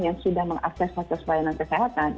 yang sudah mengakses proses layanan kesehatan